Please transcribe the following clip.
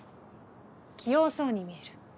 器用そうに見える。